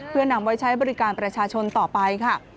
เพื่อนำไว้ใช้บริการประชาชนต่อไปค่ะ